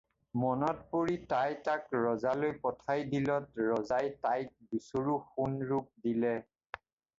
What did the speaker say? মনত পৰি তাই তাক ৰজালৈ পঠিয়াই দিলত ৰজাই তাইক দুচৰু সোণ-ৰূপ দিলে।